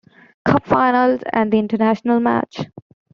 Cup Finals and international match.